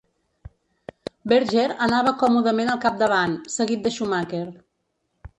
Berger anava còmodament al capdavant, seguit de Schumacher.